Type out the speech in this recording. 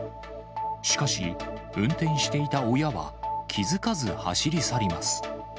しかし、運転していた親は気付かず走り去ります。